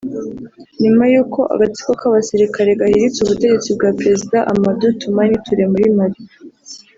nyuma y’uko agatsiko k’abasirikare gahiritse ubutegetsi bwa Perezida Amadou Toumani Touré muri Mali